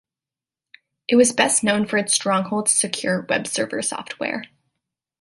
It was best known for its Stronghold secure webserver software.